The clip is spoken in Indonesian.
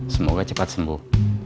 semoga cepat sembuh